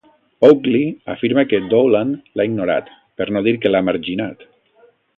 Oakley afirma que Dolan l'ha ignorat, per no dir que l'ha marginat.